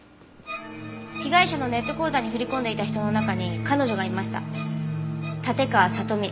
被害者のネット口座に振り込んでいた人の中に彼女がいました館川里美。